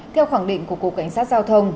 theo khẳng định của cục cảnh sát giao thông